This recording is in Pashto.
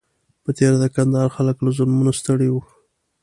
په تېره د کندهار خلک له ظلمونو ستړي وو.